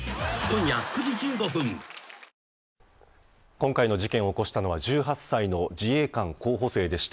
今回の事件を起こしたのは１８歳の自衛官候補生でした。